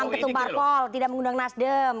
ketumpar pol tidak mengundang nasdem